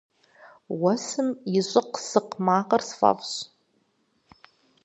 Уэсым и щӏыкъ-сыкъ макъыр сфӏэфӏщ.